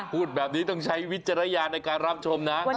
พูดแบบนี้ต้องใช้วิจารณญาณในการรับชมนะ